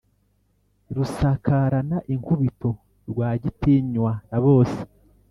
Rusakarana inkubito Rwagitinywa na bose